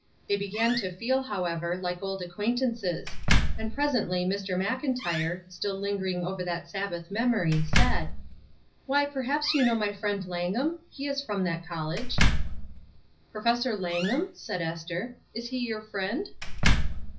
They began to feel, however, like old acquaintances; and presently Mr. Mclntyre, still lingering over that Sabbath memory, said :— "Why, perhaps you know my friend Langham ? He is from that college." "Professor Langham?*' said Esther. "Is he your friend?"